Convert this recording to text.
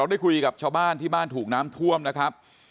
ได้คุยกับชาวบ้านที่บ้านถูกน้ำท่วมนะครับ